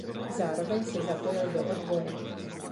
Zároveň se zapojil do odboje.